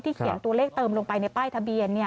เขียนตัวเลขเติมลงไปในป้ายทะเบียน